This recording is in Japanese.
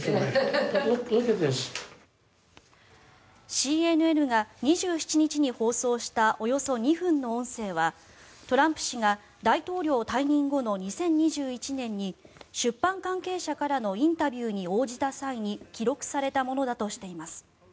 ＣＮＮが２７日に放送したおよそ２分の音声はトランプ氏が大統領退任後の２０２１年に出版関係者からのインタビューに応じた際に記録されたものだとしています。